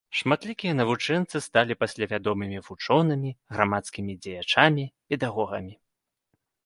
Шматлікія навучэнцы сталі пасля вядомымі вучонымі, грамадскімі дзеячамі, педагогамі.